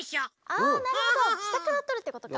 あなるほどしたからとるってことか。